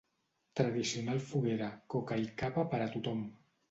Tradicional foguera, coca i cava per a tothom.